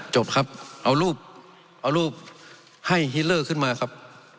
จบครับเอารูปให้ฮิลเลอร์ขึ้นมาครับ